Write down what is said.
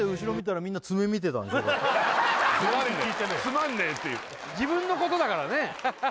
すごいなつまんねえっていう自分のことだからね